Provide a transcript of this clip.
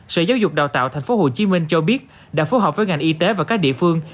sở giáo dục đào tạo tp hcm cho biết đã phối hợp với ngành y tế và các địa phương